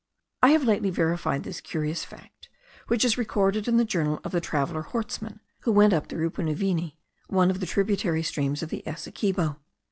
I have lately verified this curious fact, which is recorded in the journal of the traveller Hortsman, who went up the Rupunuvini, one of the tributary streams of the Essequibo.